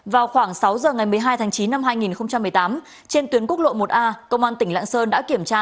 vào khoảng sáu giờ ngày một mươi hai tháng chín năm hai nghìn một mươi tám trên tuyến quốc lộ một a công an tỉnh lạng sơn đã kiểm tra